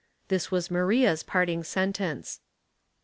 This was Maria's parting sentence.